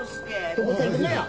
どこさ行くんだや？